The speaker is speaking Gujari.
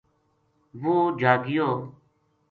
وہ جاگیو